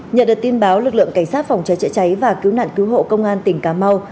nhận được tin báo lực lượng cảnh sát phòng cháy chữa cháy và cứu nạn cứu hộ công an tỉnh cà mau